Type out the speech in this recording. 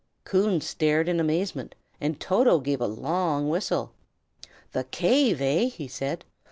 Coon stared in amazement, and Toto gave a long whistle. "The cave, eh?" he said.